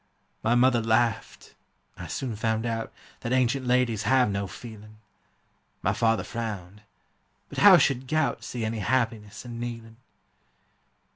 My mother laughed; I soon found out That ancient ladies have no feeling: My father frowned; but how should gout See any happiness in kneeling?